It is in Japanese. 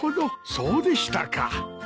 そうでしたか。